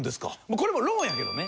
これもローンやけどね。